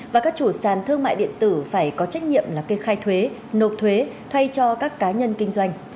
và các chủ sàn thương mại điện tử phải có trách nhiệm là kê khai thuế nộp thuế thay cho các cá nhân kinh doanh